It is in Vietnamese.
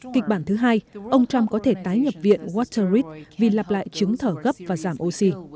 kịch bản thứ hai ông trump có thể tái nhập viện waterte vì lặp lại chứng thở gấp và giảm oxy